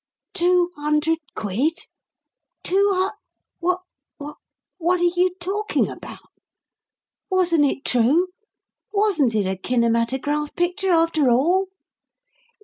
"Two hundred quid? Two hun W what are you talking about? Wasn't it true? Wasn't it a kinematograph picture, after all?"